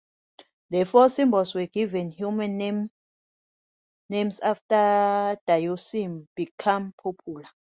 The Four Symbols were given human names after Daoism became popular.